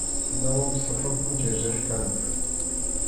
Hinawanpas sapa pʼunchaw riq kani.